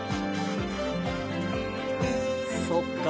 そっか。